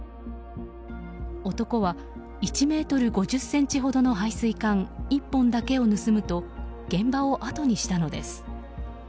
男は１ｍ５０ｃｍほどの排水管１本だけを盗むと現場をあとにしたのです。